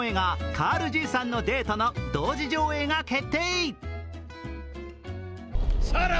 「カールじいさんのデート」の同時上映が決定。